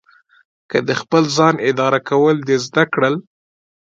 که د خپل ځان اداره کول دې زده کړل.